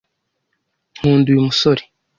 Nkunda uyu musore.